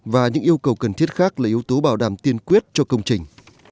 và những yêu cầu cần thiết khác là yếu tố bảo đảm tiên quyết cho công trình